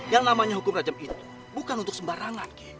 yang namanya hukum rajam itu bukan untuk sembarangan